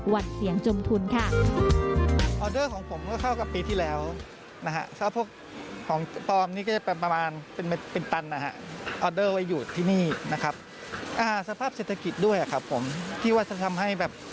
วัดเสียงจมทุนค่ะ